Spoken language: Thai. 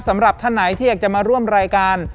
สำหรับท่านไหนที่อยากจะมาร่วมรายการ